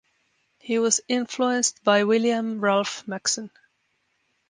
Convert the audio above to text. He was influenced by William Ralph Maxon.